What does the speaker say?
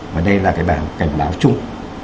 và đây là cái bảng cảnh báo chung